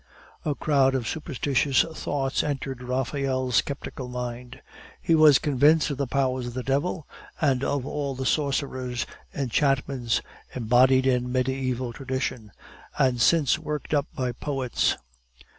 A crowd of superstitious thoughts entered Raphael's sceptical mind; he was convinced of the powers of the devil and of all the sorcerer's enchantments embodied in mediaeval tradition, and since worked up by poets.